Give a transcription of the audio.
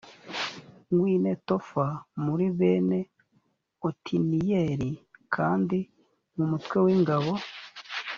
w i netofa muri bene otiniyeli kandi mu mutwe w ingabo